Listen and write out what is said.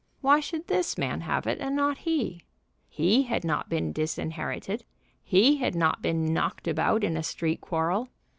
Why should this man have it and not he? He had not been disinherited. He had not been knocked about in a street quarrel.